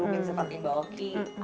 mungkin seperti mbak oki